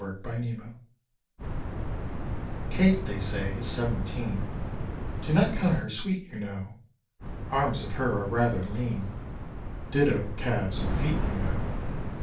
Black Kate Kate, they say, is seventeen Do not count her sweet, you know. Arms of her are rather lean Ditto, calves and feet, you know.